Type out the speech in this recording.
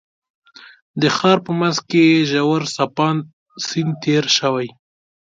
د ښار په منځ کې یې ژور څپاند سیند تېر شوی.